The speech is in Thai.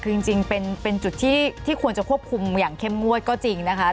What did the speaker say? คือจริงเป็นจุดที่ควรจะควบคุมอย่างเข้มงวดก็จริงนะคะ